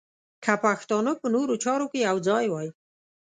که پښتانه په نورو چارو کې یو ځای وای.